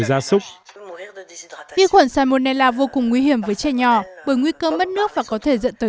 gia súc vi khuẩn salmonella vô cùng nguy hiểm với trẻ nhỏ bởi nguy cơ mất nước và có thể dẫn tới